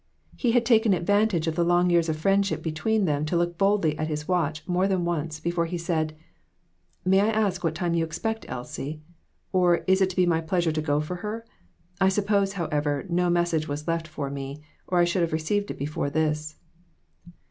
He had taken advan tage of the long years of friendship between them to look boldly at his watch, more than once, before he said " May I ask at what time you expect Elsie ? Or is it to be my pleasure to go for her? I sup pose, however, no message was left for me, or I should have received it before this."